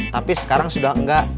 tapi sekarang sudah enggak